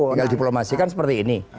kalau diplomasi kan seperti ini